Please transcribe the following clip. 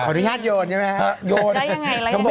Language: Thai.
ขออนุญาตโยนใช่ไหมครับโยนได้ยังไงอะไรยังไง